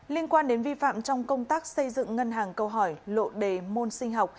liên quan đến vi phạm trong công tác xây dựng ngân hàng câu hỏi lộ đề môn sinh học